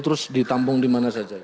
hanya seratus ditampung dimana saja